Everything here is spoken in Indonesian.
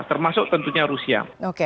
termasuk tentunya rusia